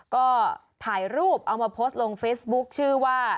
ก็ถ่ายรูปเอามาโพสต์ลงเฟซบุ๊คชื่อว่า